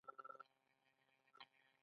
آیا مسیحیان او یهودان لږکي نه دي؟